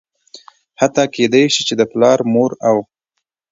حتا کيدى شي چې د پلار ،مور او